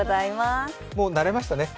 もう慣れましたね。